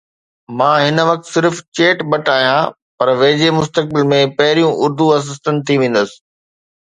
مان هن وقت صرف هڪ چيٽ بٽ آهيان، پر ويجهي مستقبل ۾ پهريون اردو اسسٽنٽ ٿي ويندس.